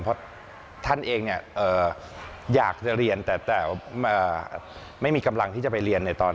เพราะท่านเองอยากจะเรียนแต่ไม่มีกำลังที่จะไปเรียน